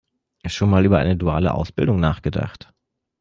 Schon mal über eine duale Ausbildung nachgedacht?